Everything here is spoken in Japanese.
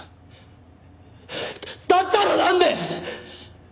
だったらなんで！